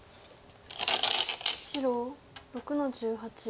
白６の十八。